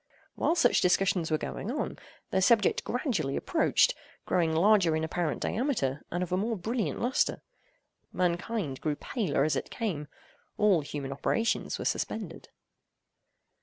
While such discussions were going on, their subject gradually approached, growing larger in apparent diameter, and of a more brilliant lustre. Mankind grew paler as it came. All human operations were suspended.